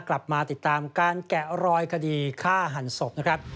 กลับมาติดตามการแกะรอยคดีฆ่าหันศพนะครับ